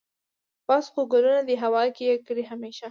بس خو ګلونه دي هوا کې یې کرې همیشه